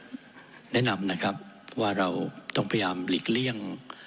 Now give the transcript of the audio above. เอ่อต้องขออนุญาตแนะนำนะครับว่าเราต้องพยายามหลีกเลี่ยง